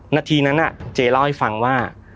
นาทีนั้นเจเล่าให้ฟังว่า